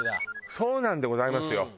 そうなんでございますよ。